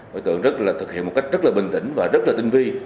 tôi tưởng là thực hiện một cách rất là bình tĩnh và rất là tinh vi